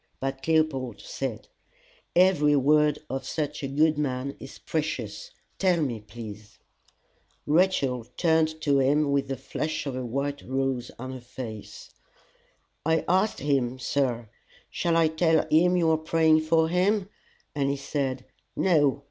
But Leopold said, "Every word of such a good man is precious: tell me, please." Rachel turned to him with the flush of a white rose on her face. "I asked him, sir 'Shall I tell him you are praying for him?' and he said, 'No.